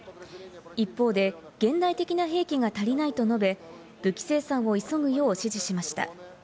一方で、現代的な兵器が足りないと述べ、武器生産を急ぐよう指示しました。